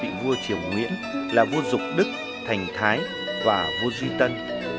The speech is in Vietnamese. vị vua triều nguyễn là vua dục đức thành thái và vua duy tân